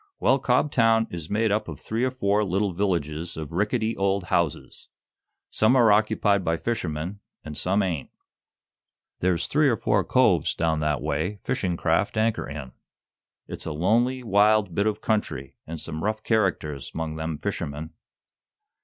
"Well, Cobtown is made up of three or four little villages of rickety old houses. Some are occupied by fishermen, and some ain't. There's three or four coves down that way fishing craft anchor in. It's a lonely, wild bit of country, and some rough characters 'mong them fishermen."